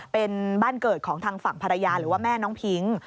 เป็นบ้านเกิดของทางฝั่งภรรยาหรือว่าแม่น้องพิ้ง